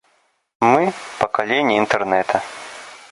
Мы — поколение Интернета.